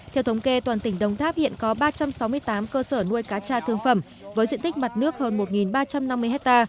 theo thống kê toàn tỉnh đồng tháp hiện có ba trăm sáu mươi tám cơ sở nuôi cá cha thương phẩm với diện tích mặt nước hơn một ba trăm năm mươi ha